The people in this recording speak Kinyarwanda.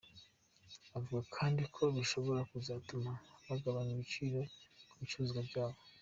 Avuga kandi ko bishobora kuzatuma bagabanya ibiciro ku bicuruzwa byabo.